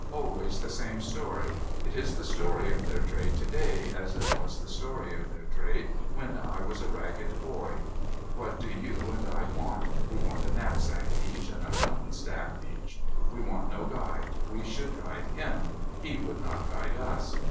' Always the same story. It is the story of their trade to day, as it was the story of their trade when I was a ragged boy. What do you and I want? We want a knapsack each, and a mountain staff each. We want no guide ; we should guide him ; he would not guide us.